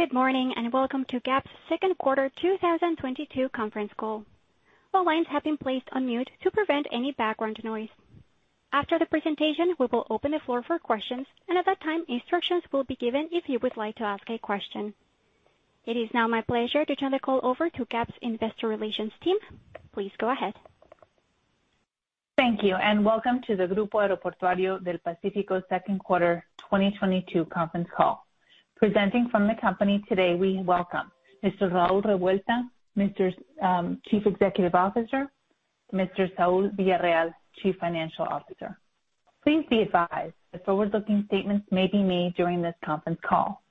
Good morning, and welcome to GAP's Second Quarter 2022 Conference Call. All lines have been placed on mute to prevent any background noise. After the presentation, we will open the floor for questions, and at that time instructions will be given if you would like to ask a question. It is now my pleasure to turn the call over to GAP's investor relations team. Please go ahead. Thank you, and welcome to the Grupo Aeroportuario del Pacífico Second Quarter 2022 Conference Call. Presenting from the company today, we welcome Mr. Raúl Revuelta, Chief Executive Officer, Mr. Saúl Villarreal, Chief Financial Officer. Please be advised that forward-looking statements may be made during this conference call.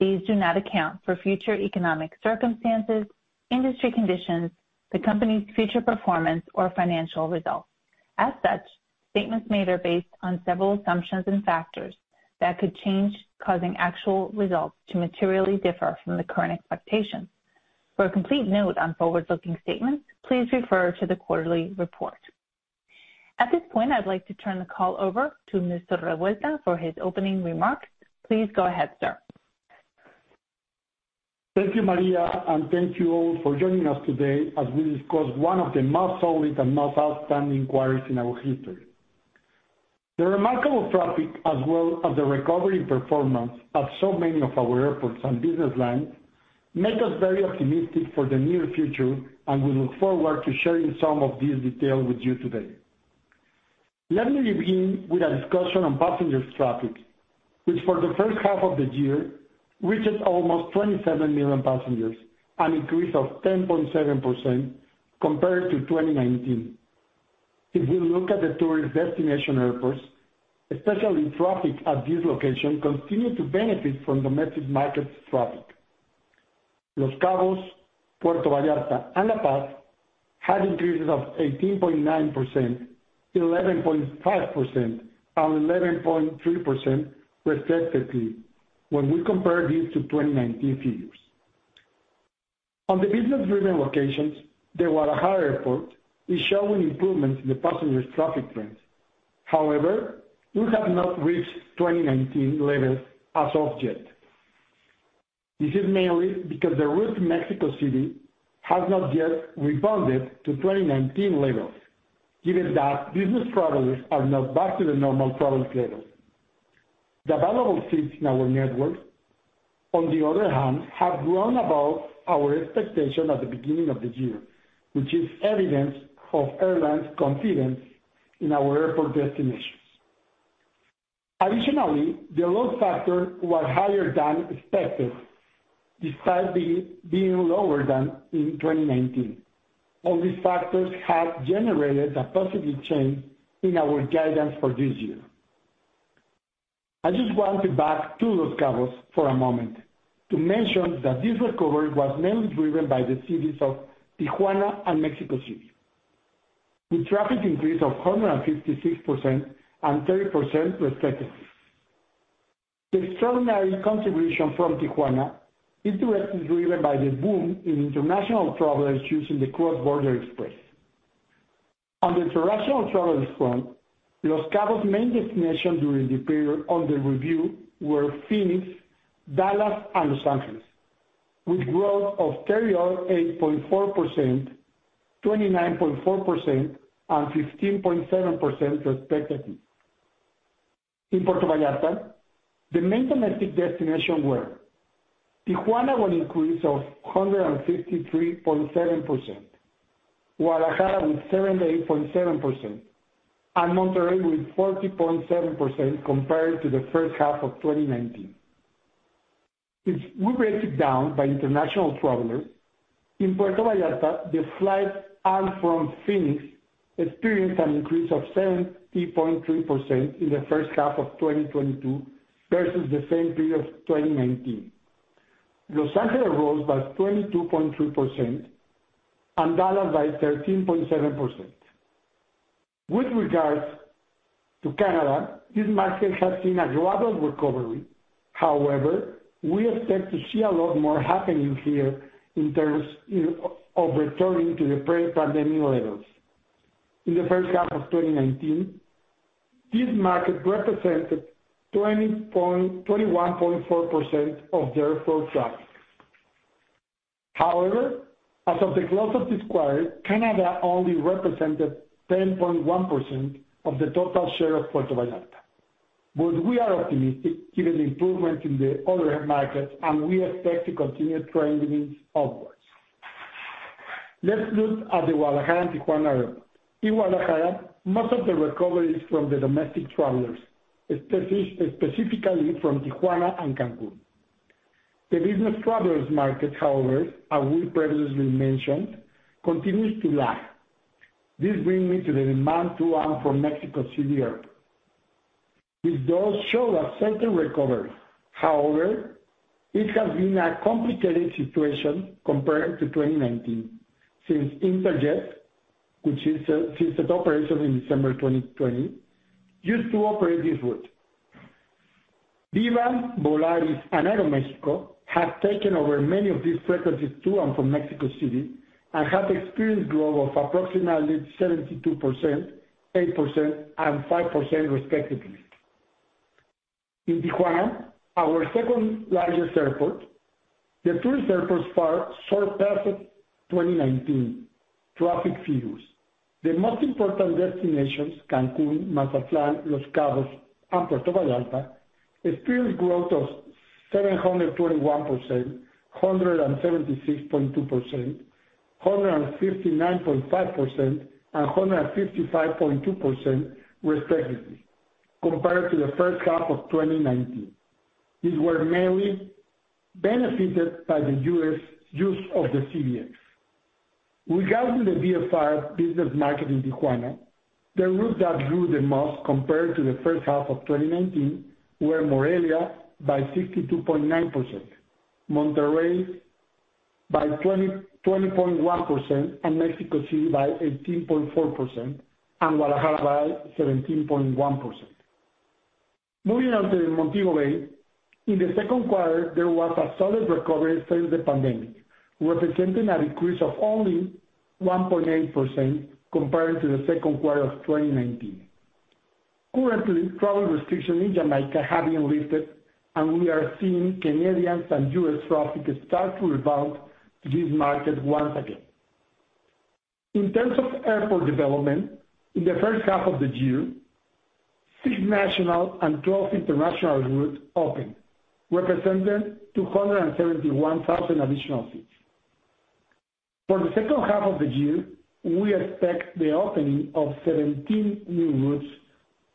These do not account for future economic circumstances, industry conditions, the company's future performance, or financial results. As such, statements made are based on several assumptions and factors that could change, causing actual results to materially differ from the current expectations. For a complete note on forward-looking statements, please refer to the quarterly report. At this point, I'd like to turn the call over to Mr. Revuelta for his opening remarks. Please go ahead, sir. Thank you, Maria, and thank you all for joining us today as we discuss one of the most solid and most outstanding quarters in our history. The remarkable traffic, as well as the recovery performance of so many of our airports and business lines, make us very optimistic for the near future, and we look forward to sharing some of these details with you today. Let me begin with a discussion on passenger traffic, which for the first half of the year, reached almost 27 million passengers, an increase of 10.7% compared to 2019. If we look at the tourist destination airports, especially traffic at this location continued to benefit from domestic markets traffic. Los Cabos, Puerto Vallarta, and La Paz had increases of 18.9%, 11.5%, and 11.3% respectively, when we compare this to 2019 figures. On the business-driven locations, the Guadalajara Airport is showing improvements in the passenger traffic trends. However, we have not reached 2019 levels as of yet. This is mainly because the route to Mexico City has not yet rebounded to 2019 levels, given that business travelers are not back to the normal travel levels. The available seats in our network, on the other hand, have grown above our expectation at the beginning of the year, which is evidence of airlines' confidence in our airport destinations. Additionally, the load factor was higher than expected, despite being lower than in 2019. All these factors have generated a positive change in our guidance for this year. I just want to back to Los Cabos for a moment to mention that this recovery was mainly driven by the cities of Tijuana and Mexico City, with traffic increase of 156% and 30% respectively. The extraordinary contribution from Tijuana is directly driven by the boom in international travelers using the Cross Border Xpress. On the international travel front, Los Cabos main destination during the period under review were Phoenix, Dallas, and Los Angeles, with growth of 38.4%, 29.4%, and 15.7% respectively. In Puerto Vallarta, the main domestic destinations were Tijuana, with an increase of 163.7%, Guadalajara with 78.7%, and Monterrey with 40.7% compared to the first half of 2019. If we break it down by international travelers, in Puerto Vallarta, the flights to and from Phoenix experienced an increase of 70.3% in the first half of 2022 versus the same period of 2019. Los Angeles rose by 22.3% and Dallas by 13.7%. With regards to Canada, this market has seen a global recovery. However, we expect to see a lot more happening here in terms of returning to the pre-pandemic levels. In the first half of 2019, this market represented 21.4% of their full traffic. However, as of the close of this quarter, Canada only represented 10.1% of the total share of Puerto Vallarta. We are optimistic given the improvements in the other markets, and we expect to continue trending upwards. Let's look at the Guadalajara and Tijuana Airport. In Guadalajara, most of the recovery is from the domestic travelers, specifically from Tijuana and Cancún. The business travelers market, however, as we previously mentioned, continues to lag. This brings me to the demand to and from Mexico City Airport. It does show a certain recovery. However, it has been a complicated situation compared to 2019, since Interjet, which is, ceased operations in December 2020, used to operate this route. Viva, Volaris, and Aeroméxico have taken over many of these frequencies to and from Mexico City and have experienced growth of approximately 72%, 8% and 5% respectively. In Tijuana, our second largest airport, the two airports far surpassed 2019 traffic figures. The most important destinations, Cancún, Mazatlán, Los Cabos, and Puerto Vallarta, experienced growth of 721%, 176.2%, 159.5%, and 155.2% respectively, compared to the first half of 2019. These were mainly benefited by the U.S. use of the CBX. Regarding the VFR business market in Tijuana, the routes that grew the most compared to the first half of 2019 were Morelia by 62.9%, Monterrey by 20.1%, and Mexico City by 18.4%, and Guadalajara by 17.1%. Moving on to Montego Bay, in the second quarter, there was a solid recovery from the pandemic, representing an increase of only 1.8% compared to the second quarter of 2019. Currently, travel restrictions in Jamaica have been lifted, and we are seeing Canadian and U.S. traffic start to rebound to this market once again. In terms of airport development, in the first half of the year, six national and 12 international routes opened, representing 271,000 additional seats. For the second half of the year, we expect the opening of 17 new routes,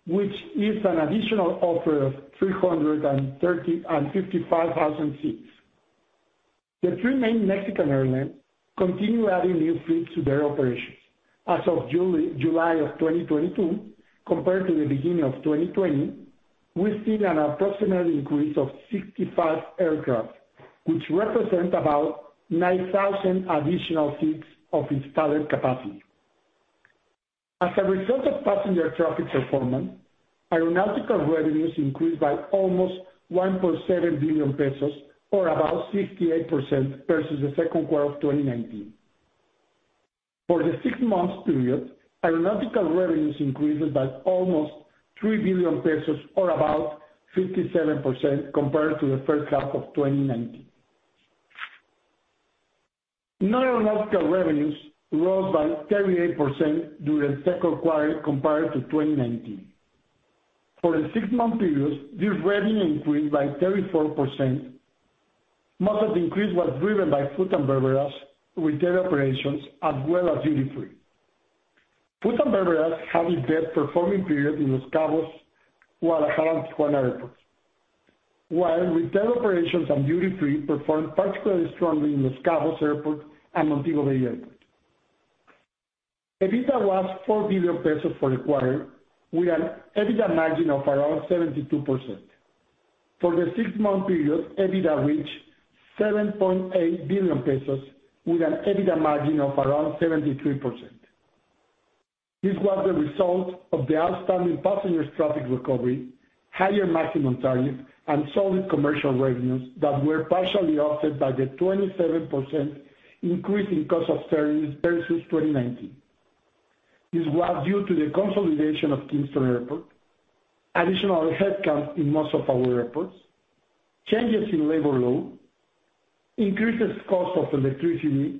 which is an additional offer of 355,000 seats. The three main Mexican airlines continue adding new fleets to their operations. As of July of 2022 compared to the beginning of 2020, we've seen an approximate increase of 65 aircraft, which represent about 9,000 additional seats of installed capacity. As a result of passenger traffic performance, aeronautical revenues increased by almost 1.7 billion pesos, or about 68% versus the second quarter of 2019. For the six months period, aeronautical revenues increased by almost 3 billion pesos or about 57% compared to the first half of 2019. Non-aeronautical revenues rose by 38% during the second quarter compared to 2019. For the six-month periods, this revenue increased by 34%. Most of the increase was driven by food and beverages, retail operations, as well as duty free. Food and beverages had its best performing period in Los Cabos, Guadalajara, and Tijuana airports, while retail operations and duty free performed particularly strongly in Los Cabos Airport and Montego Bay Airport. EBITDA was 4 billion pesos for the quarter, with an EBITDA margin of around 72%. For the six-month period, EBITDA reached 7.8 billion pesos with an EBITDA margin of around 73%. This was the result of the outstanding passenger traffic recovery, higher maximum tariff, and solid commercial revenues that were partially offset by the 27% increase in cost of service versus 2019. This was due to the consolidation of Kingston Airport, additional headcount in most of our airports, changes in labor law, increased cost of electricity,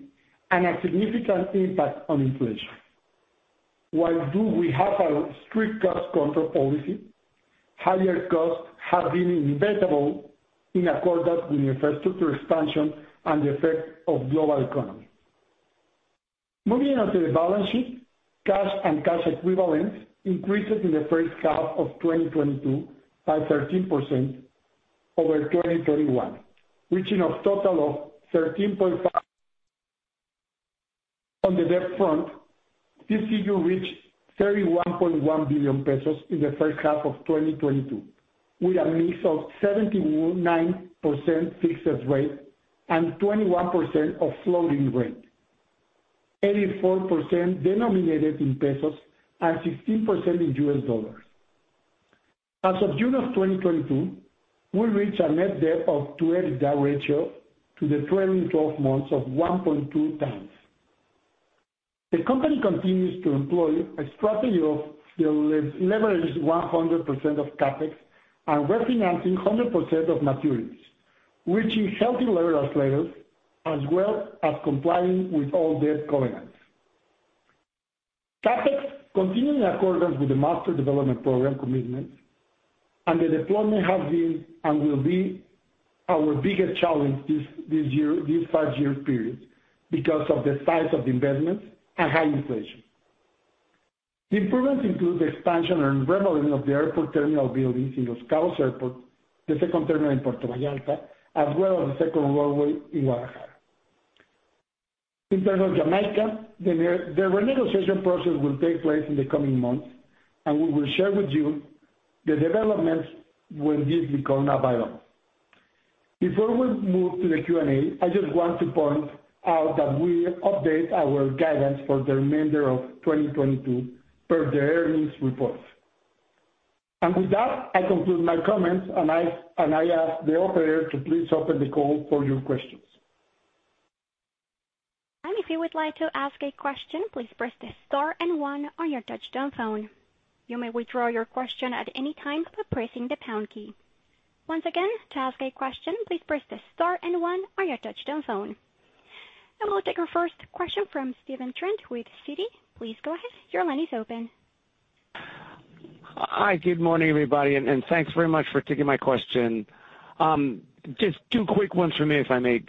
and a significant impact on inflation. While we do have a strict cost control policy, higher costs have been inevitable in accordance with infrastructure expansion and the effect of the global economy. Moving on to the balance sheet, cash and cash equivalents increased in the first half of 2022 by 13% over 2021, reaching a total of 13.5 billion. On the debt front, this figure reached 31.1 billion pesos in the first half of 2022, with a mix of 79% fixed rate and 21% of floating rate, 84% denominated in pesos and 16% in U.S. dollars. As of June of 2022, we reached a net debt to EBITDA ratio to the trailing twelve months of 1.2x. The company continues to employ a strategy of still leveraging 100% of CapEx and refinancing 100% of maturities, reaching healthy leverage levels, as well as complying with all debt covenants. CapEx continue in accordance with the Master Development Program commitments and the deployment has been and will be our biggest challenge this past year period because of the size of the investments and high inflation. The improvements include the expansion and remodeling of the airport terminal buildings in Los Cabos Airport, the second terminal in Puerto Vallarta, as well as the second runway in Guadalajara. In terms of Jamaica, the renegotiation process will take place in the coming months, and we will share with you the developments when these become available. Before we move to the Q&A, I just want to point out that we update our guidance for the remainder of 2022 per the earnings reports. With that, I conclude my comments, and I ask the operator to please open the call for your questions. If you would like to ask a question, please press the star and one on your touchtone phone. You may withdraw your question at any time by pressing the pound key. Once again, to ask a question, please press the star and one on your touchtone phone. We'll take our first question from Stephen Trent with Citi. Please go ahead. Your line is open. Hi, good morning, everybody, and thanks very much for taking my question. Just two quick ones from me, if I may.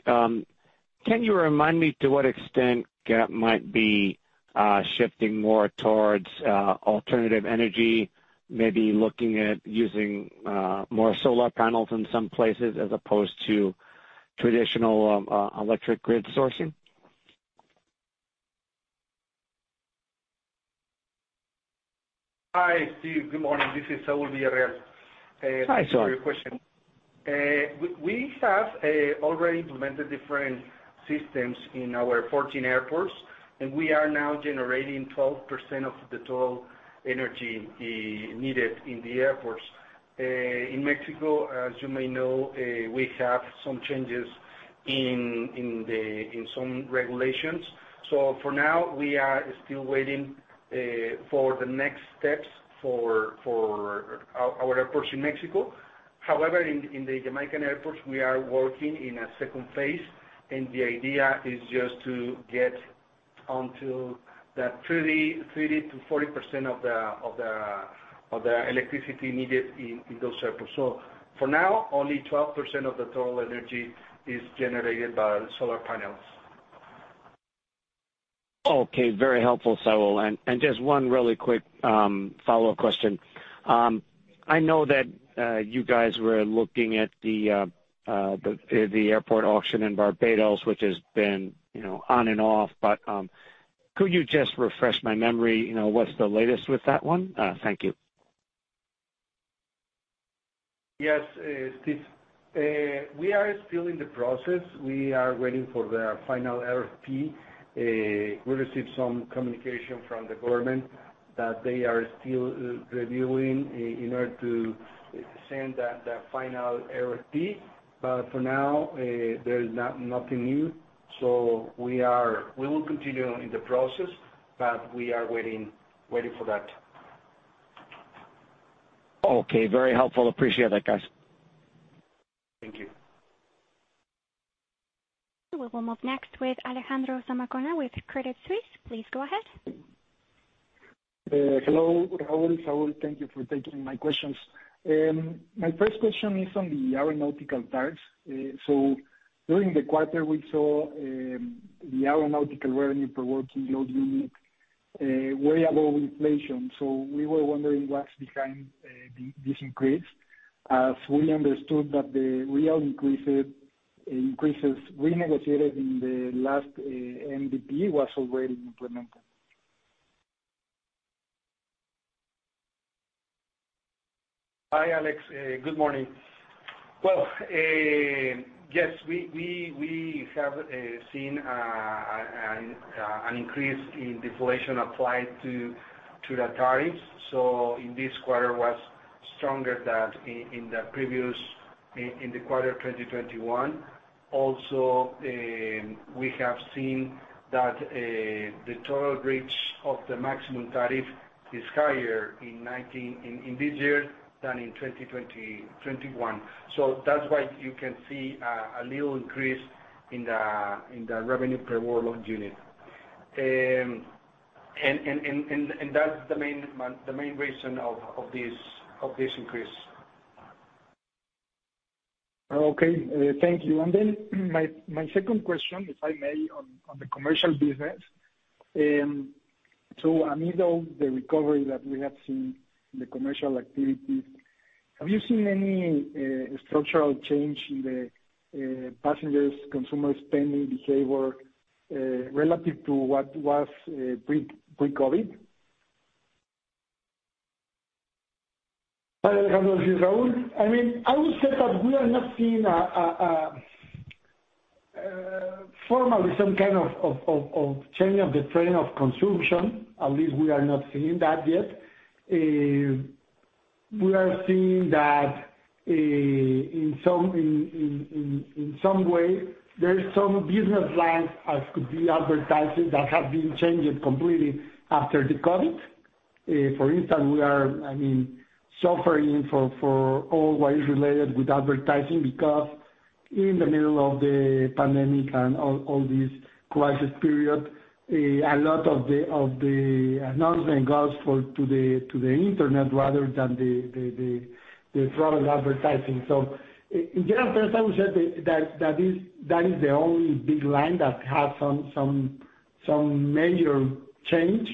Can you remind me to what extent GAP might be shifting more towards alternative energy, maybe looking at using more solar panels in some places as opposed to traditional electric grid sourcing? Hi, Steve. Good morning. This is Saúl Villarreal. Hi, Saúl. Thank you for your question. We have already implemented different systems in our 14 airports, and we are now generating 12% of the total energy needed in the airports. In Mexico, as you may know, we have some changes in some regulations. For now, we are still waiting for the next steps for our airports in Mexico. However, in the Jamaican airports, we are working in a second phase, and the idea is just to get onto that 30%-40% of the electricity needed in those airports. For now, only 12% of the total energy is generated by solar panels. Okay. Very helpful, Saúl. Just one really quick follow-up question. I know that you guys were looking at the airport auction in Barbados, which has been, you know, on and off. Could you just refresh my memory, you know, what's the latest with that one? Thank you. Yes, Steve. We are still in the process. We are waiting for the final RFP. We received some communication from the government that they are still reviewing in order to send that, the final RFP. For now, there is nothing new. We will continue in the process, but we are waiting for that. Okay, very helpful. Appreciate that, guys. Thank you. We will move next with Alejandro Zamacona with Credit Suisse. Please go ahead. Hello, Raul, Saúl, thank you for taking my questions. My first question is on the aeronautical tariffs. During the quarter, we saw the aeronautical revenue per workload unit way above inflation. We were wondering what's behind this increase, as we understood that the real increases renegotiated in the last MDP was already implemented. Hi, Alex. Good morning. Well, yes, we have seen an increase in inflation applied to the tariffs. In this quarter was stronger than in the previous quarter in 2021. Also, we have seen that the total reach of the maximum tariff is higher in this year than in 2021. That's why you can see a little increase in the revenue per workload unit. That's the main reason of this increase. Thank you. My second question, if I may, on the commercial business. Amid all the recovery that we have seen in the commercial activity, have you seen any structural change in the passengers, consumer spending behavior, relative to what was pre-COVID? Hi, Alejandro. This is Raúl. I mean, I would say that we are not seeing formally some kind of change of the trend of consumption. At least we are not seeing that yet. We are seeing that in some way there's some business lines, as could be advertising, that have been changed completely after the COVID. For instance, we are, I mean, suffering from all what is related with advertising because in the middle of the pandemic and all this crisis period, a lot of the announcement goes to the internet rather than the product advertising. In general terms, I would say that is the only big line that has some major change.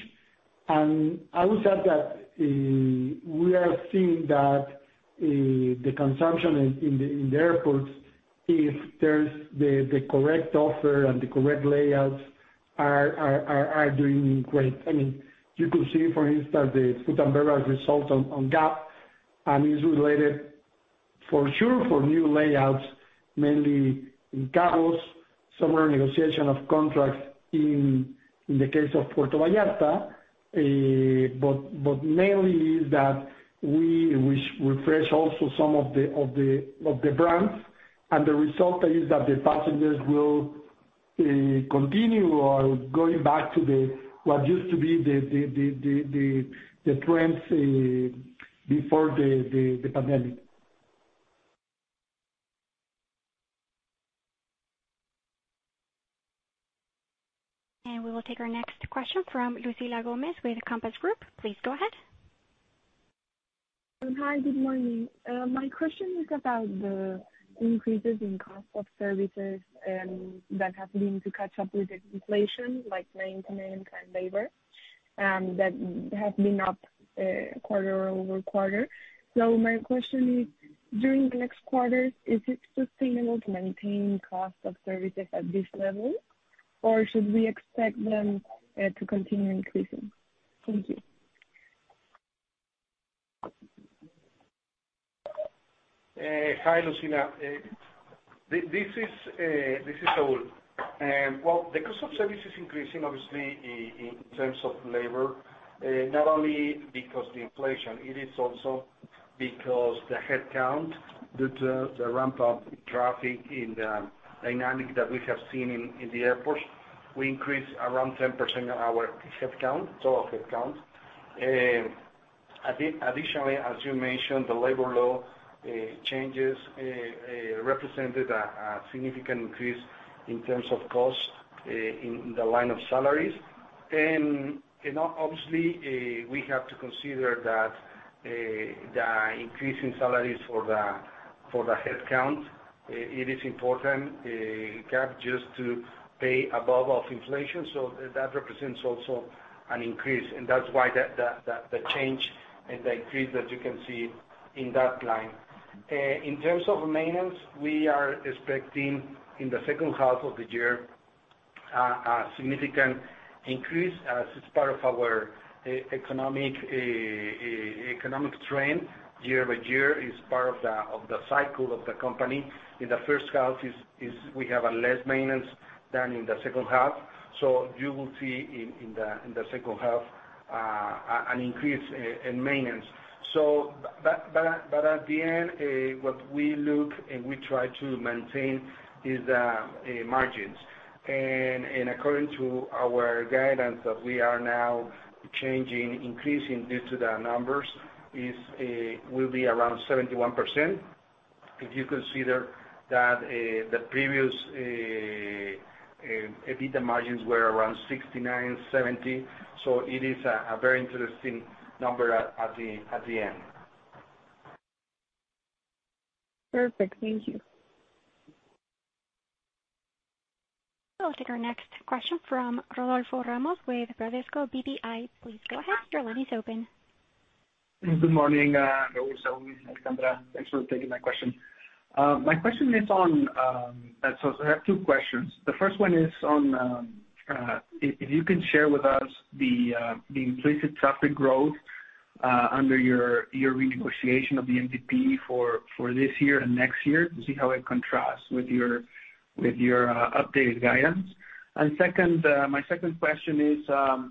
I would say that we are seeing that the consumption in the airports, if there's the correct offer and the correct layouts are doing great. I mean, you could see, for instance, the Food & Beverage area result on GAP, and it's related for sure to new layouts, mainly in Cabos, some renegotiation of contracts in the case of Puerto Vallarta. Mainly is that we refresh also some of the brands. The result is that the passengers will continue on going back to what used to be the trends before the pandemic. We will take our next question from Lucila Gomez with Compass Group. Please go ahead. Hi, good morning. My question is about the increases in cost of services that have been to catch up with the inflation, like maintenance and labor, that have been up quarter-over-quarter. My question is, during the next quarter, is it sustainable to maintain cost of services at this level? Or should we expect them to continue increasing? Thank you. Hi, Lucila. This is Saúl. Well, the cost of service is increasing obviously in terms of labor, not only because the inflation, it is also because the headcount due to the ramp-up traffic in the dynamic that we have seen in the airports. We increased around 10% of our headcount, total headcount. Additionally, as you mentioned, the labor law changes represented a significant increase in terms of cost in the line of salaries. Obviously, we have to consider that the increase in salaries for the headcount, it is important, we have to pay above inflation. That represents also an increase, and that's why the change and the increase that you can see in that line. In terms of maintenance, we are expecting in the second half of the year a significant increase as it's part of our economic trend year-over-year is part of the cycle of the company. In the first half we have less maintenance than in the second half. You will see in the second half an increase in maintenance. But at the end, what we look and we try to maintain is margins. According to our guidance that we are now changing, increasing due to the numbers is will be around 71%. If you consider that the previous EBITDA margins were around 69%, 70%. It is a very interesting number at the end. Perfect. Thank you. We'll take our next question from Rodolfo Ramos with Bradesco BBI. Please go ahead. Your line is open. Good morning, Raúl, Saúl. Thanks for taking my question. My question is on. I have two questions. The first one is on if you can share with us the implicit traffic growth under your renegotiation of the MDP for this year and next year to see how it contrasts with your updated guidance. Second, my second question is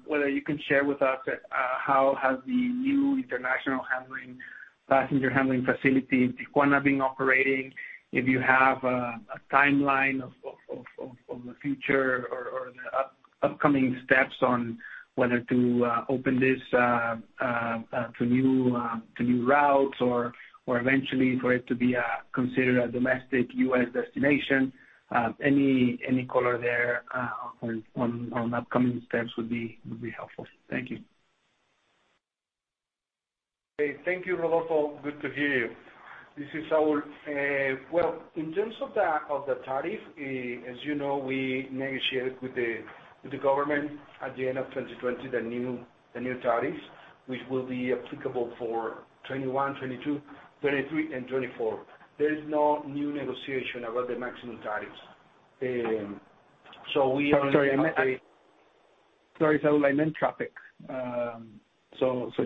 whether you can share with us how the new international passenger handling facility in Tijuana has been operating, if you have a timeline for the future or the upcoming steps on whether to open this to new routes or eventually for it to be considered a domestic U.S. destination. Any color there on upcoming steps would be helpful. Thank you. Thank you, Rodolfo. Good to hear you. This is Saúl. In terms of the tariff, as you know, we negotiated with the government at the end of 2020 the new tariffs, which will be applicable for 2021, 2022, 2023 and 2024. There is no new negotiation about the maximum tariffs. Sorry, Saúl, I meant traffic.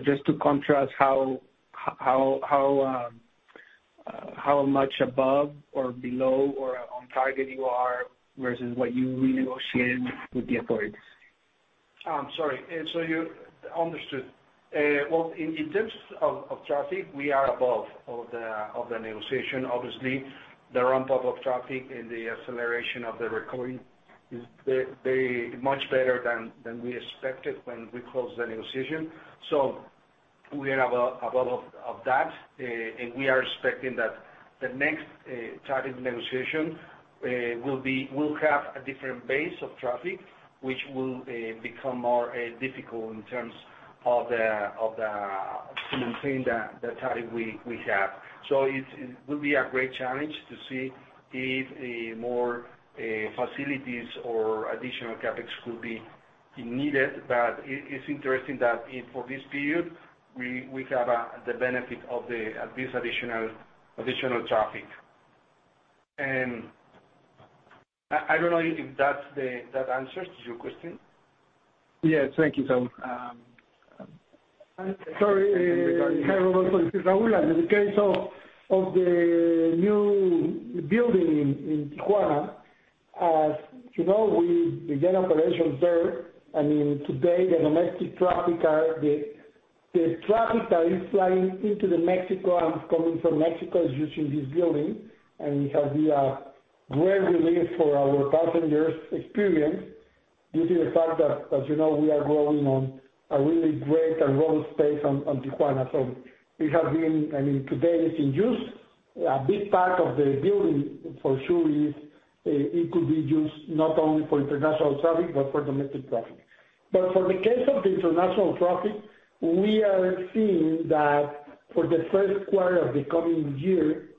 Just to contrast how much above or below or on target you are versus what you renegotiated with the authorities. I'm sorry. Understood. Well, in terms of traffic, we are above the negotiation. Obviously, the ramp-up of traffic and the acceleration of the recovery is very much better than we expected when we closed the negotiation. We are above that. We are expecting that the next tariff negotiation will have a different base of traffic, which will become more difficult in terms of the tariff we have. It will be a great challenge to see if more facilities or additional CapEx could be needed. It's interesting that for this period, we have the benefit of this additional traffic. I don't know if that answers your question. Yes. Thank you, Saúl. Sorry, hi, Roberto. This is Raúl. In the case of the new building in Tijuana, as you know, we began operations there, and today the domestic traffic are the traffic that is flying into Mexico and coming from Mexico is using this building. It has been a great relief for our passengers' experience due to the fact that, as you know, we are growing in a really great and growing space in Tijuana. It has been, I mean, today it's in use. A big part of the building for sure is it could be used not only for international traffic, but for domestic traffic. For the case of the international traffic, we are seeing that for the first quarter of the coming year,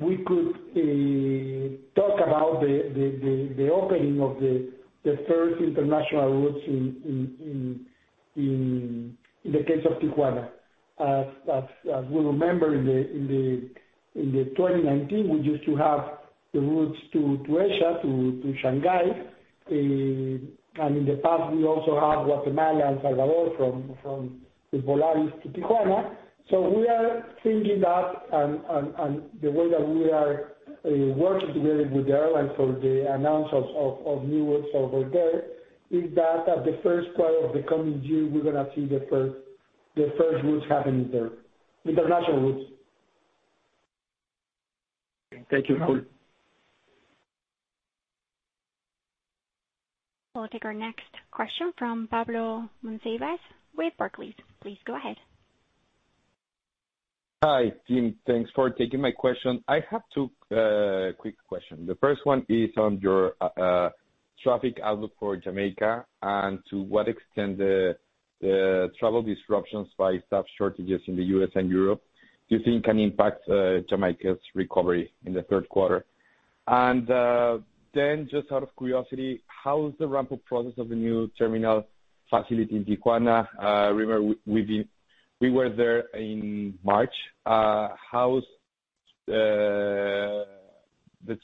we could talk about the opening of the first international routes in the case of Tijuana. As we remember in the 2019, we used to have the routes to Asia, to Shanghai. In the past we also have Guatemala and Salvador from Volaris to Tijuana. We are thinking that the way that we are working together with the airlines for the announce of new routes over there is that at the first quarter of the coming year, we're gonna see the first routes happening there, international routes. Thank you, Raúl. We'll take our next question from Pablo Monsivais with Barclays. Please go ahead. Hi, team. Thanks for taking my question. I have two quick questions. The first one is on your traffic outlook for Jamaica and to what extent the travel disruptions by staff shortages in the U.S. and Europe do you think can impact Jamaica's recovery in the third quarter? Then just out of curiosity, how is the ramp-up process of the new terminal facility in Tijuana? Remember we were there in March. How's the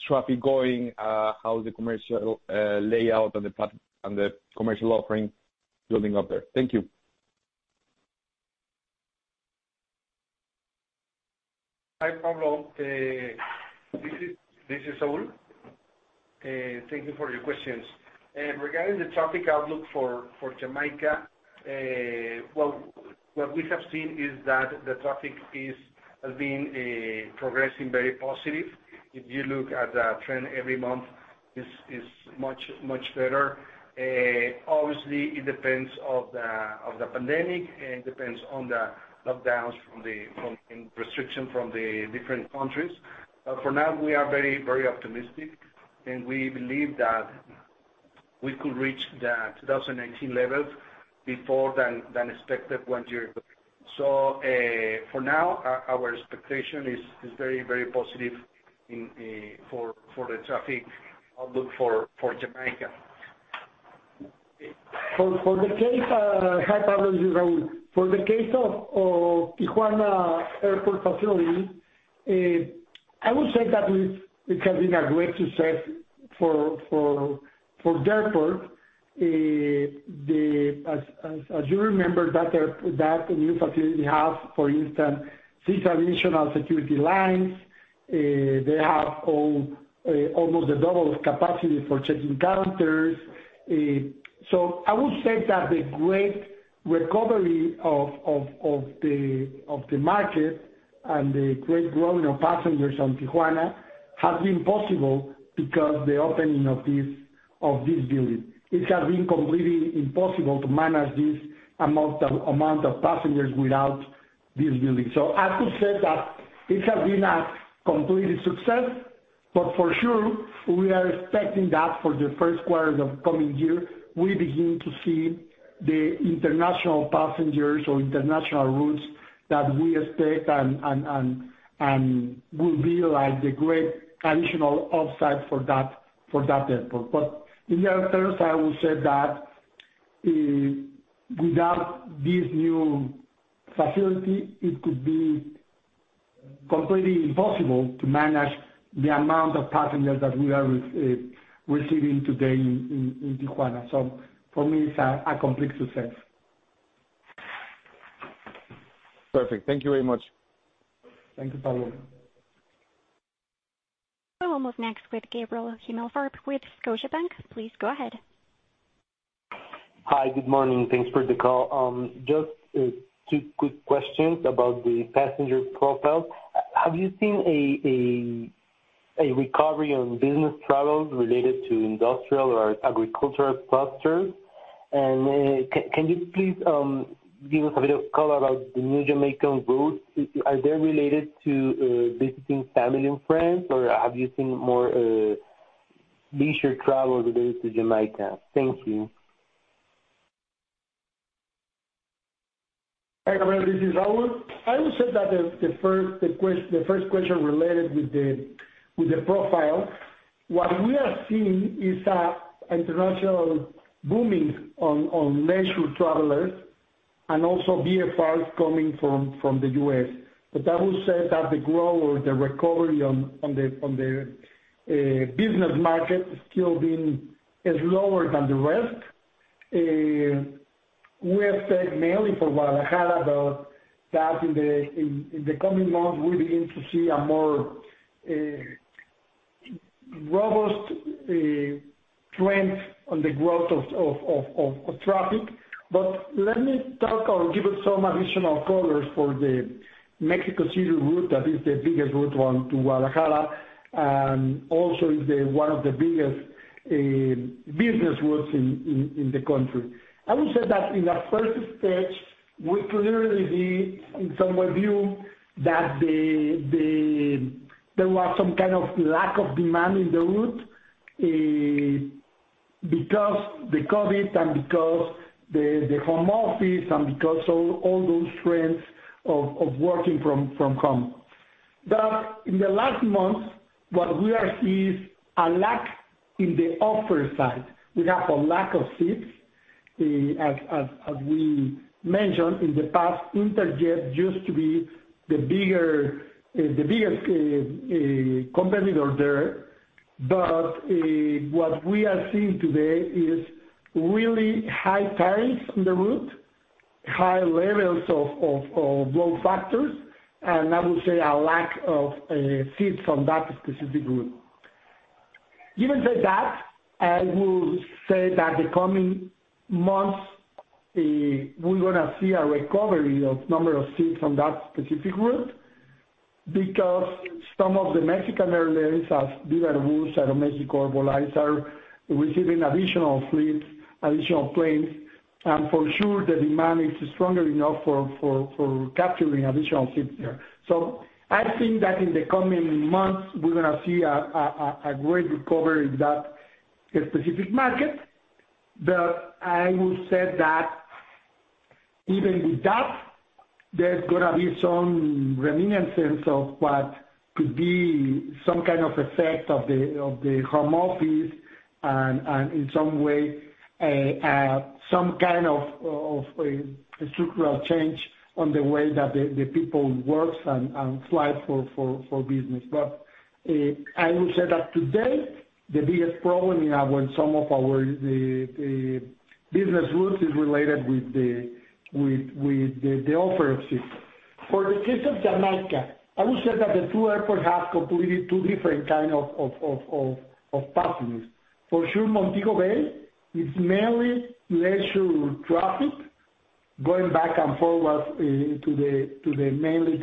traffic going? How's the commercial layout and the commercial offering building up there? Thank you. Hi, Pablo. This is Raúl. Thank you for your questions. Regarding the traffic outlook for Jamaica, well, what we have seen is that the traffic has been progressing very positive. If you look at the trend every month, it is much better. Obviously it depends on the pandemic, and it depends on the lockdowns and restrictions from the different countries. For now, we are very optimistic, and we believe that we could reach the 2018 levels sooner than expected one year ago. For now, our expectation is very positive for the traffic outlook for Jamaica. For the case of Tijuana Airport facility, I would say that it has been a great success for the airport. As you remember, that new facility has, for instance, six additional security lines. They have almost double capacity for check-in counters. I would say that the great recovery of the market and the great growth in our passengers on Tijuana has been possible because the opening of this building. It has been completely impossible to manage this amount of passengers without this building. I could say that this has been a complete success, but for sure, we are expecting that for the first quarter of coming year, we begin to see the international passengers or international routes that we expect and will be like the great additional upside for that airport. In the other terms, I will say that without this new facility, it could be completely impossible to manage the amount of passengers that we are receiving today in Tijuana. For me, it's a complete success. Perfect. Thank you very much. Thank you, Pablo. We'll move next with Gabriel Himelfarb with Scotiabank. Please go ahead. Hi. Good morning. Thanks for the call. Just two quick questions about the passenger profile. Have you seen a recovery on business travels related to industrial or agricultural clusters? Can you please give us a bit of color about the new Jamaican routes? Are they related to visiting family and friends, or have you seen more leisure travel related to Jamaica? Thank you. Hi, Gabriel. This is Raúl. I would say that the first question related with the profile, what we are seeing is an international booming in leisure travelers and also VFRs coming from the U.S. I will say that the growth or the recovery in the business market is lower than the rest. We have seen mainly for Guadalajara, but in the coming months, we begin to see a more robust trend in the growth of traffic. Let me talk or give some additional colors for the Mexico City route, that is the biggest route, one to Guadalajara, and also is one of the biggest business routes in the country. I would say that in the first stage, we clearly see in some review that there was some kind of lack of demand in the route because the COVID and because the home office and because all those trends of working from home. In the last months, what we are seeing is a lack in the offer side. We have a lack of seats. As we mentioned in the past, Interjet used to be the biggest competitor there. What we are seeing today is really high tariffs in the route, high levels of load factors, and I would say a lack of seats on that specific route. Given that, I will say that the coming months, we're gonna see a recovery of number of seats on that specific route because some of the Mexican airlines, as Viva Aerobus, Aeroméxico, Volaris, are receiving additional fleets, additional planes, and for sure the demand is strong enough for capturing additional seats there. I think that in the coming months we're gonna see a great recovery in that specific market. I will say that even with that, there's gonna be some remnants of what could be some kind of effect of the home office and in some way, some kind of a structural change on the way that the people works and fly for business. I will say that today, the biggest problem in our. The business routes are related with the offer of seats. For the case of Jamaica, I would say that the two airports have completely two different kind of passengers. For sure Montego Bay is mainly leisure traffic going back and forward to the mainly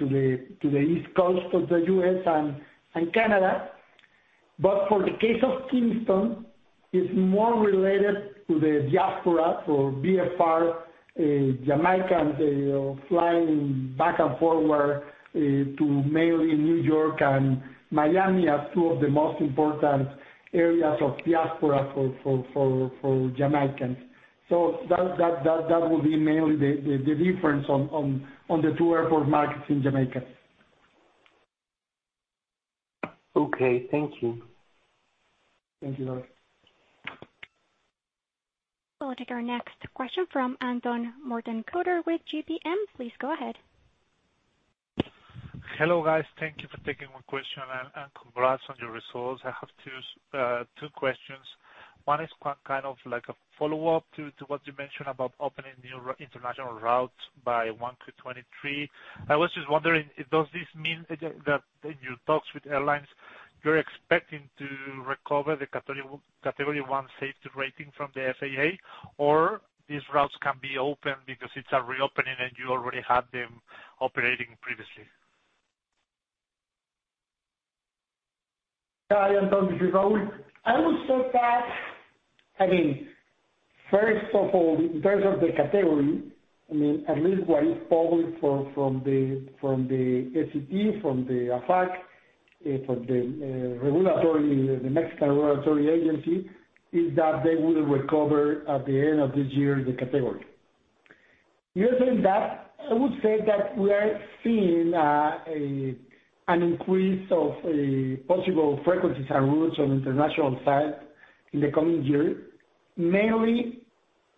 to the east coast of the U.S. and Canada. For the case of Kingston, it's more related to the diaspora for VFR Jamaicans, you know, flying back and forward to mainly New York and Miami as two of the most important areas of diaspora for Jamaicans. That will be mainly the difference on the two airport markets in Jamaica. Okay. Thank you. Thank you Gabriel. We'll take our next question from Anton Mortenkotter with GBM. Please go ahead. Hello, guys. Thank you for taking my question, and congrats on your results. I have two questions. One is kind of like a follow-up to what you mentioned about opening new international routes by 2023. I was just wondering does this mean that in your talks with airlines, you're expecting to recover the category one safety rating from the FAA, or these routes can be open because it's a reopening and you already had them operating previously? Hi, Anton. This is Raúl. I would say that I mean, first of all, in terms of the category, I mean, at least what is published from the AFAC, from the regulatory, the Mexican regulatory agency, is that they will recover at the end of this year the category. Usually that, I would say that we are seeing an increase of possible frequencies and routes on international side in the coming year, mainly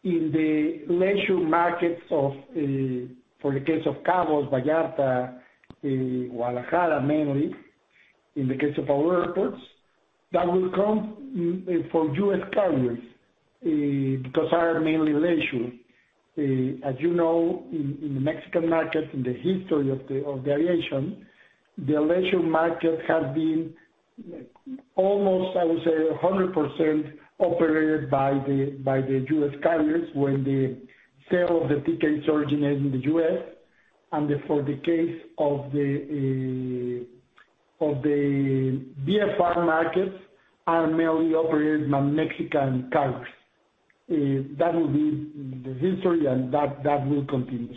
in the leisure markets of, for the case of Cabos, Vallarta, Guadalajara mainly, in the case of our airports. That will come from U.S. carriers, because they are mainly leisure. As you know, in the Mexican market, in the history of aviation, the leisure market has been almost, I would say, 100% operated by the U.S. carriers when the sale of the tickets originate in the U.S., and for the case of the VFR markets are mainly operated by Mexican carriers. That will be the history and that will continue.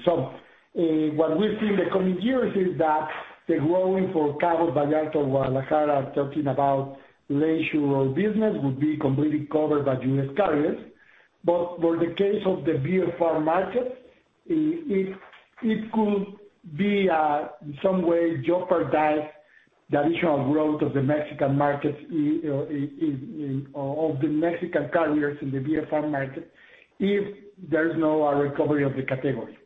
What we see in the coming years is that the growing for Cabos, Vallarta, Guadalajara, talking about leisure or business, will be completely covered by U.S. carriers. For the case of the VFR markets, it could be in some way jeopardize the additional growth of the Mexican markets. Of the Mexican carriers in the VFR market if there is no recovery of the category.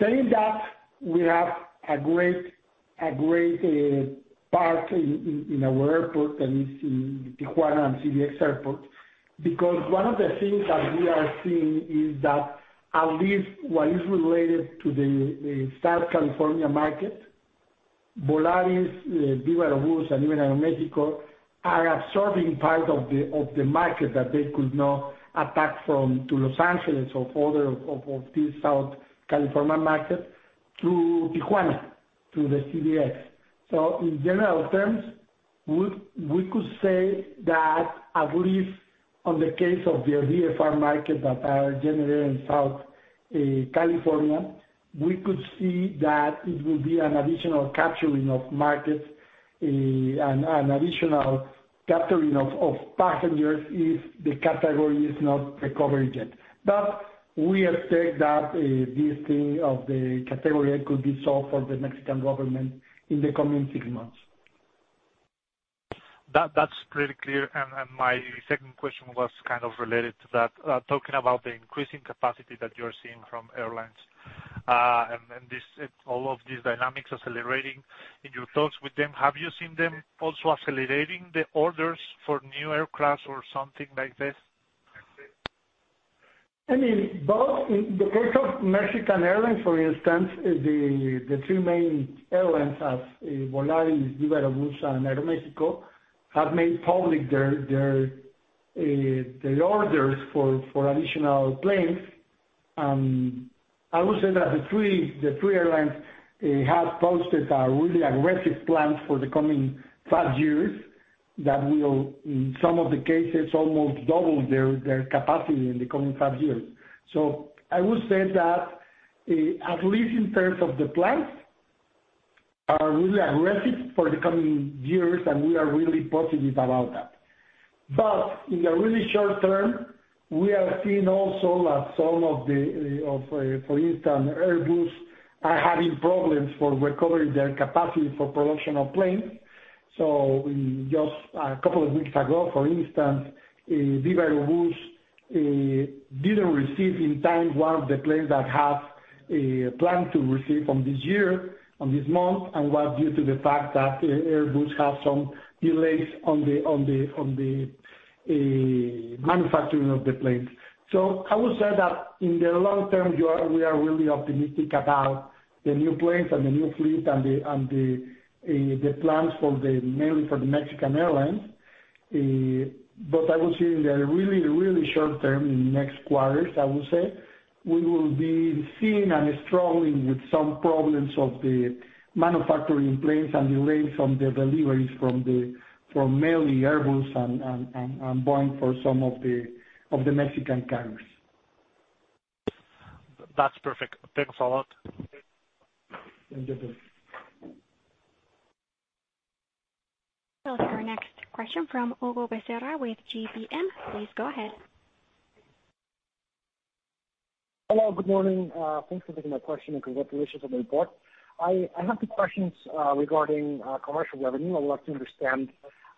Saying that we have a great part in our airport that is in Tijuana and CBX Airport, because one of the things that we are seeing is that at least what is related to the Southern California market, Volaris, Viva Aerobus, and even Aeroméxico are absorbing part of the market that they could not attack from to Los Angeles or other of the Southern California market to Tijuana, to the CBX. In general terms, we could say that at least on the case of the VFR market that are generally in Southern California, we could see that it will be an additional capturing of markets, an additional capturing of passengers if the category is not recovered yet. We expect that, this thing of the category could be solved for the Mexican government in the coming six months. That's, that's pretty clear. My second question was kind of related to that, talking about the increasing capacity that you're seeing from airlines and all of these dynamics accelerating. In your talks with them, have you seen them also accelerating the orders for new aircraft or something like this? I mean, both. In the case of Mexican airlines, for instance, the two main airlines are Volaris, Viva Aerobus, and Aeroméxico have made public their orders for additional planes. I would say that the three airlines have posted a really aggressive plans for the coming five years that will, in some of the cases, almost double their capacity in the coming five years. I would say that at least in terms of the plans are really aggressive for the coming years, and we are really positive about that. In the really short term, we are seeing also that some, for instance, Aerobus are having problems for recovering their capacity for production of planes. We just. A couple of weeks ago, for instance, Viva Aerobus didn't receive in time one of the planes that have planned to receive from this year, on this month, and was due to the fact that, Aerobus have some delays on the manufacturing of the planes. I would say that in the long term, we are really optimistic about the new planes and the new fleet and the plans for mainly the Mexican airlines. I will say in the really, really short term, in next quarters, I would say, we will be seeing and struggling with some problems of the manufacturing planes and delays on the deliveries from mainly Aerobus and Boeing for some of the Mexican carriers. That's perfect. Thanks a lot. Thank you. We'll take our next question from Hugo Becerra with GBM. Please go ahead. Hello, good morning. Thanks for taking my question, and congratulations on the report. I have two questions regarding commercial revenue. I would like to understand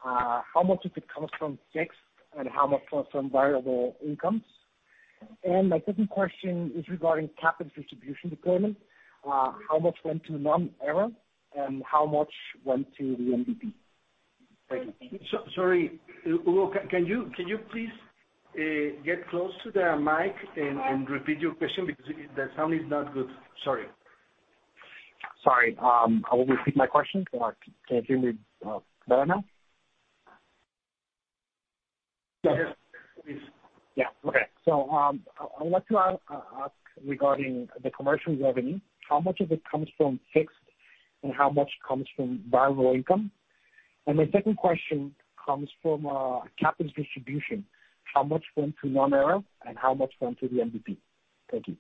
how much of it comes from fixed and how much comes from variable incomes. My second question is regarding capital distribution deployment. How much went to non-aero and how much went to the MDP? Thank you. Sorry, Hugo, can you please get close to the mic and repeat your question because the sound is not good. Sorry. Sorry. I will repeat my question. Can you hear me better now? Yes, please. Yeah. Okay. I want to ask regarding the commercial revenue, how much of it comes from fixed and how much comes from variable income? My second question comes from capital distribution. How much went to non-aero and how much went to the MDP? Thank you.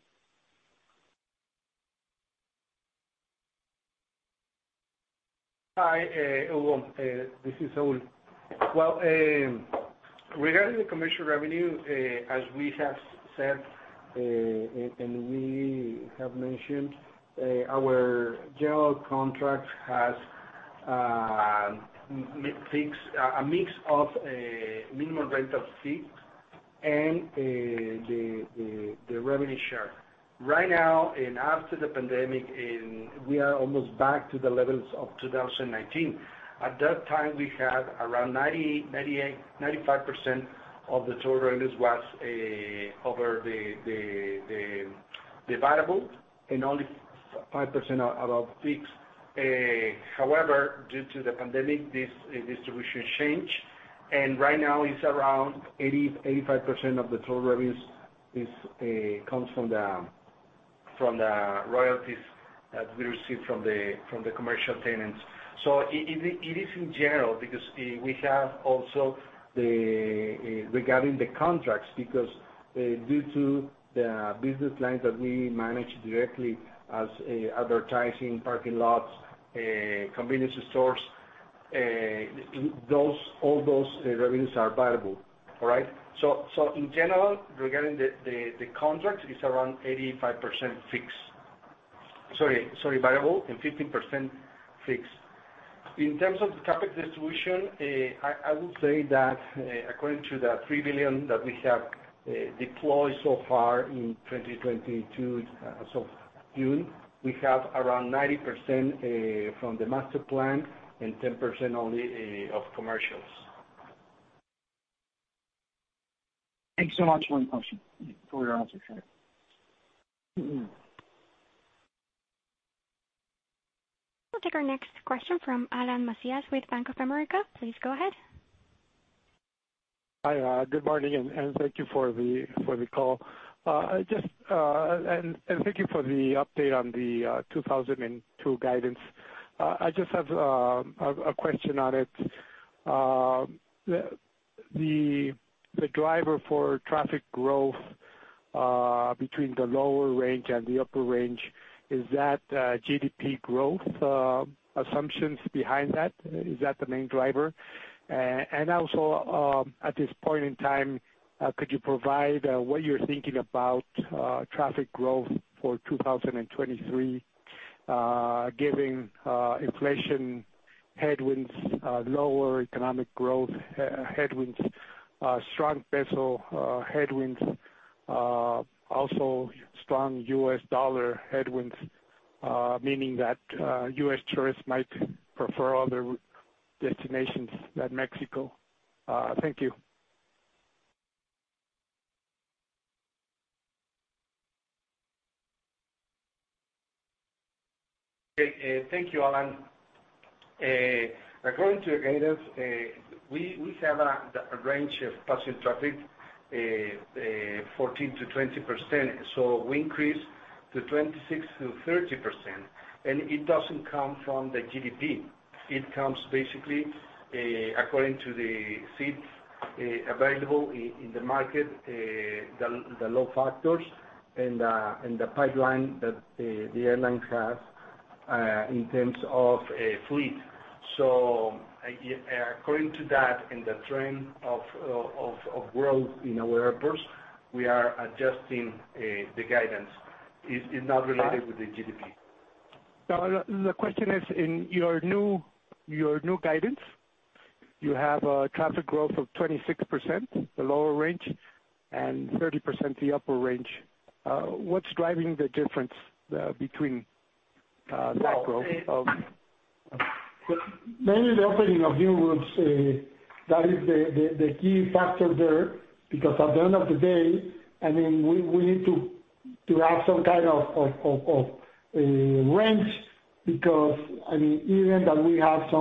Hi, Hugo. This is Saúl. Regarding the commercial revenue, as we have said, and we have mentioned, our general contract has a mix of minimum rate of fixed and the revenue share. Right now, after the pandemic we are almost back to the levels of 2019. At that time, we had around 95%-98% of the total revenues was over the variable and only 5% are fixed. However, due to the pandemic, this distribution changed, and right now it's around 80%-85% of the total revenues comes from the royalties that we receive from the commercial tenants. It is in general because we have also the Regarding the contracts because, due to the business lines that we manage directly as advertising, parking lots, convenience stores, all those revenues are variable. All right? So, in general, regarding the contract, it's around 85% fixed. Sorry, variable and 15% fixed. In terms of the CapEx distribution, I would say that, according to the 3 billion that we have deployed so far in 2022, so June, we have around 90% from the master plan and 10% only of commercials. Thanks so much for the question, for your answer. We'll take our next question from Alan Macias with Bank of America. Please go ahead. Hi, good morning, and thank you for the call. Just thank you for the update on the 2022 guidance. I just have a question on it. The driver for traffic growth between the lower range and the upper range, is that GDP growth assumptions behind that? Is that the main driver? Also, at this point in time, could you provide what you're thinking about traffic growth for 2023, given inflation headwinds, lower economic growth headwinds, strong peso headwinds, also strong U.S. dollar headwinds, meaning that U.S. tourists might prefer other destinations than Mexico. Thank you. Okay. Thank you, Alan Macias. According to the guidance, we have the range of passenger traffic 14%-20%. We increased to 26%-30%, and it doesn't come from the GDP. It comes basically according to the seats available in the market, the load factors and the pipeline that the airlines have in terms of a fleet. According to that and the trend of growth in our airports, we are adjusting the guidance. It is not related with the GDP. No, the question is in your new guidance, you have a traffic growth of 26%, the lower range, and 30% the upper range. What's driving the difference between that growth? Mainly the opening of new routes, that is the key factor there. Because at the end of the day, I mean, we need to have some kind of range because, I mean, even that we have,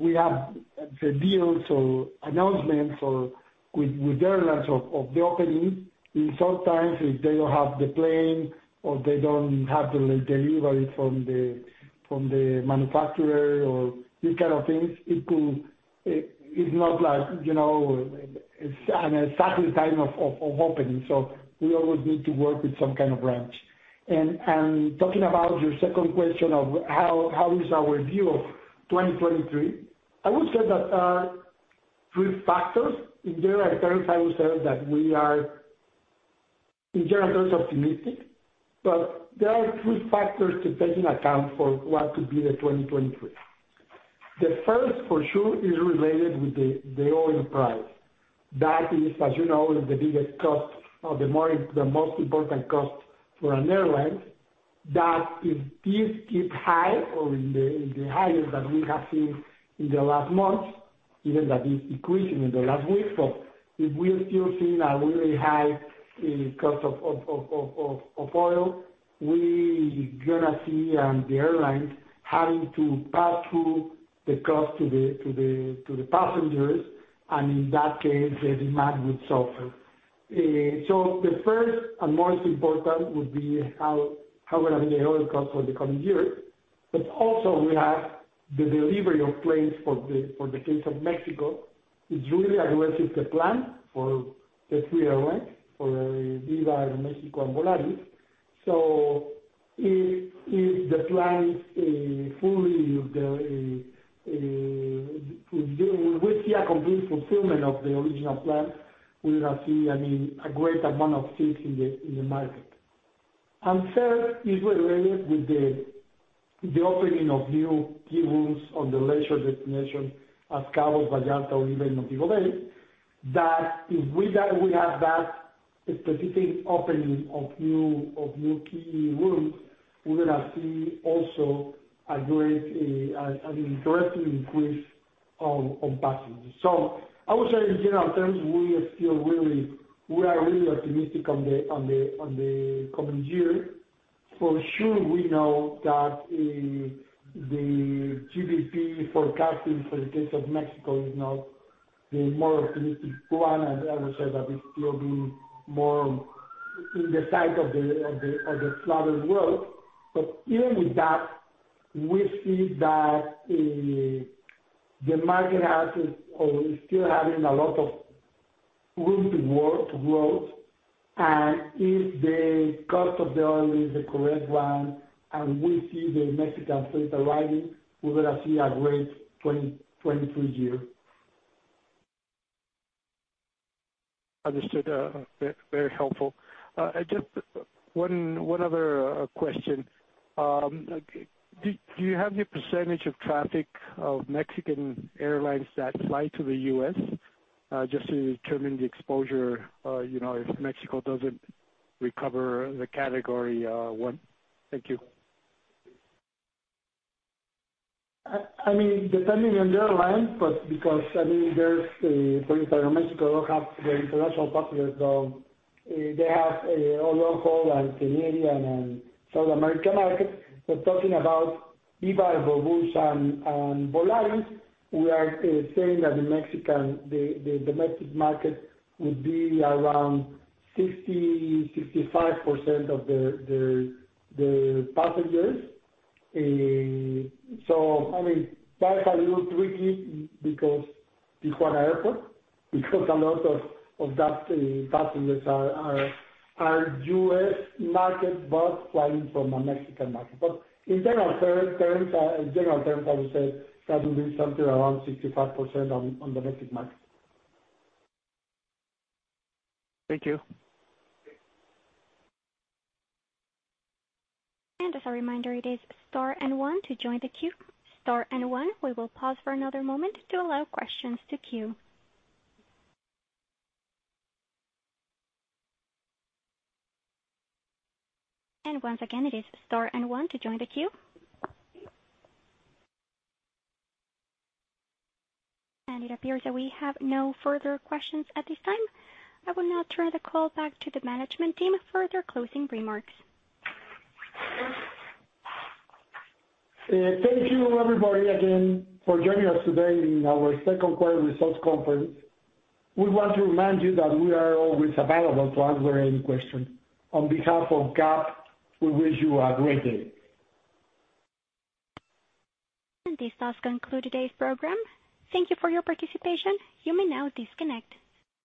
we have the deals or announcements or with airlines of the opening, and sometimes if they don't have the plane or they don't have the delivery from the manufacturer or these kind of things, it could. It's not like, you know, an exact time of opening. So, we always need to work with some kind of range. Talking about your second question of how is our view of 2023, I would say that three factors. In general, I can tell you sir that we are in general terms optimistic, but there are three factors to take into account for what could be the 2023. The first for sure is related with the oil price. That is, as you know, the biggest cost or the most important cost for an airline. That, if this keeps high or in the highest that we have seen in the last months, even that is decreasing in the last weeks. But if we are still seeing a really high cost of oil, we gonna see the airlines having to pass through the cost to the passengers, and in that case, the demand would suffer. The first and most important would be how we're having the oil cost for the coming year. We also have the delivery of planes for the case of Mexico. It's really aggressive the plan for the three airlines, for Viva Aerobus and Aeroméxico and Volaris. If we see a complete fulfillment of the original plan, we are seeing, I mean, a great amount of seats in the market. Third is related to the opening of new key routes in the leisure destination as Cabo, Vallarta or even Nogales, we have that specific opening of new key routes, we're gonna see also a great, an interesting increase in passengers. I would say in general terms, we feel really, we are really optimistic on the coming year. For sure we know that the GDP forecasting for the case of Mexico is not the more optimistic one, and I would say that it's still being more in the side of the slower growth. Even with that, we see that, the market has or is still having a lot of room to grow, to growth. If the cost of the oil is the correct one and we see the Mexican fleet arriving, we're gonna see a great 2023 year. Understood. Very helpful. Just one other question. Do you have the percentage of traffic of Mexican airlines that fly to the U.S., just to determine the exposure, you know, if Mexico doesn't recover the Category 1? Thank you. I mean, depending on the airline. For example, Aeroméxico have the international popular, so they have a long-haul and Canadian and South American markets. Talking about Viva Aerobu and Volaris, we are saying that the Mexican domestic market would be around 65% of the passengers. I mean, that is a little tricky because Tijuana airport, because a lot of that passengers are U.S. market, but flying from a Mexican market. In general terms, I would say that would be something around 65% on domestic market. Thank you. As a reminder, it is star and one to join the queue. Star and one. We will pause for another moment to allow questions to queue. Once again, it is star and one to join the queue. It appears that we have no further questions at this time. I will now turn the call back to the management team for their closing remarks. Thank you everybody again for joining us today in our second quarter results conference. We want to remind you that we are always available to answer any question. On behalf of GAP, we wish you a great day. This does conclude today's program. Thank you for your participation. You may now disconnect.